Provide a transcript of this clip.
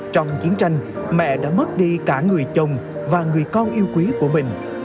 trong chiến tranh mẹ đã mất đi cả người chồng và người con yêu quý của mình